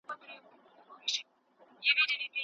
مطالعه د ناپوهۍ تر ټولو ښه درملنه ده.